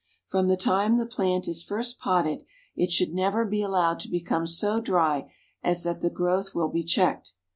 From the time the plant is first potted it should never be allowed to become so dry as that the growth will be checked.